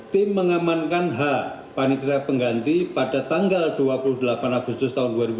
tim mengamankan h panik terapengganti pada tanggal dua puluh delapan agustus dua ribu delapan belas